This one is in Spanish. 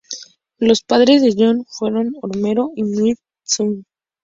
Los padres de John fueron Homero y Mildred Stump.